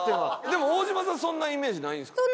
でも大島さんはそんなイメージないんですか？